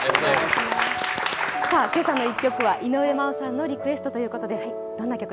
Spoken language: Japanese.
「けさの１曲」は井上真央さんのリクエストです。